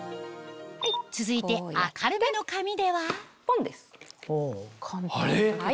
続いて明るめの髪ではあれ？